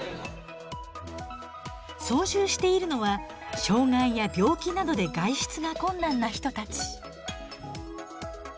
操縦しているのは障害や病気などで外出が困難な人たち。